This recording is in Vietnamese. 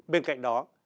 bên cạnh đó